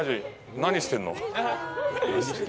何してんのって。